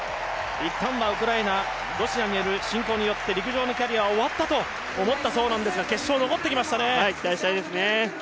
いったんはウクライナ、ロシアによる侵攻によって陸上のキャリアは終わったと思ったそうなんですが決勝に残ってきましたね。